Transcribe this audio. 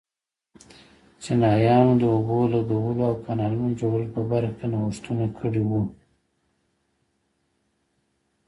چینایانو د اوبو لګولو او کانالونو جوړولو په برخه کې نوښتونه کړي وو.